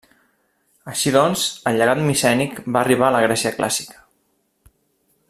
Així doncs, el llegat micènic va arribar a la Grècia clàssica.